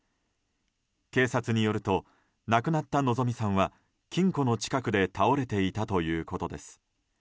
警察によると亡くなった希美さんは金庫の近くで倒れていたということです。